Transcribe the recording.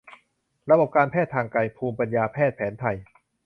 ระบบการแพทย์ทางไกล ภูมิปัญญาแพทย์แผนไทย